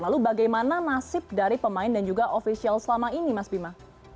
lalu bagaimana nasib dari pemain dan juga ofisial selama ini mas bima